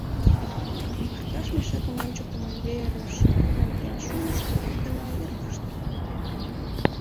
Аркаш мешакым ончыктымо верыш наҥгаен шуыш — пурак гына йырваш тӱргалте.